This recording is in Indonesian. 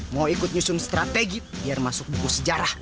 mau ikut nyusun strategi biar masuk buku sejarah